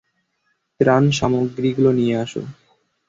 ত্রান সামগ্রীগুলো নিয়ে আসো!